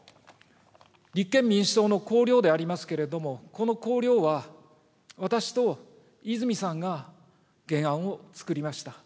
立憲民主党の綱領でありますけれども、この綱領は、私と泉さんが原案をつくりました。